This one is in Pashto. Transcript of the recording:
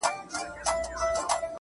اوس دا يم ځم له خپلي مېني څخه,